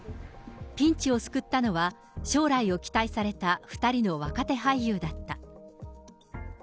ピンチを救ったのは、将来を期待された２人の若手俳優だった。